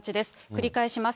繰り返します。